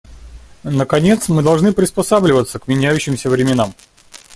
Наконец, мы должны приспосабливаться к меняющимся временам.